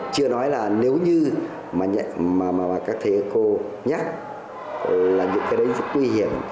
chưa nói là nếu như mà các thầy cô nhắc là những cái đấy rất nguy hiểm